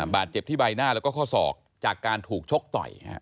บาดเจ็บที่ใบหน้าแล้วก็ข้อศอกจากการถูกชกต่อย